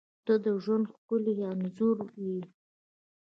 • ته د ژوند ښکلی انځور یې.